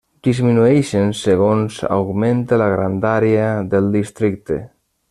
Disminueixen segons augmenta la grandària del districte.